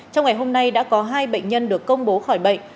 trong ngày hôm nay đã có hai bệnh nhân được công bố khỏi bệnh